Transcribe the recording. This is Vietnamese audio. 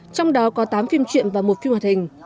trong đó có tám phim truyện và một phim hoạt hình